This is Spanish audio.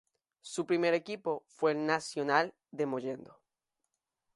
Su primer equipo fue el "Nacional" de Mollendo.